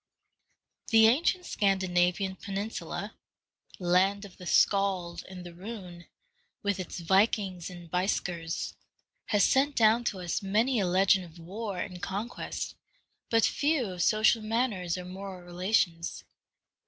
The ancient Scandinavian peninsula, land of the Scald and the Rune, with its Vikings and Beisckers, has sent down to us many a legend of war and conquest, but few of social manners or moral relations.